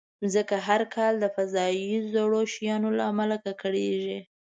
مځکه هر کال د فضایي زړو شیانو له امله ککړېږي.